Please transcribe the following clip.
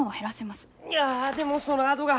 いやでもそのあどが。